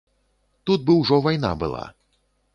Тут бы ўжо вайна была.